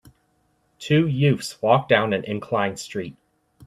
Two youths walk down an inclined street.